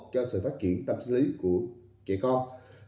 cho sự phát triển tâm sinh lý của trẻ con